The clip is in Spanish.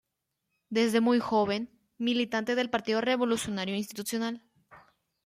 Desde muy joven, militante del Partido Revolucionario Institucional.